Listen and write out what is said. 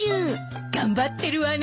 頑張ってるわね。